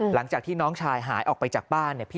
หลังจากที่น้องชายหายออกไปจากบ้าน